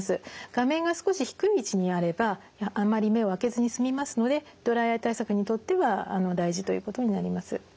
画面が少し低い位置にあればあまり目を開けずに済みますのでドライアイ対策にとっては大事ということになります。